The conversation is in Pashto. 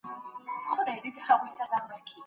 هېر ور څه مضمون دی او تفسیر خبري نه کوي